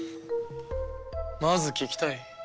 まず聞きたい。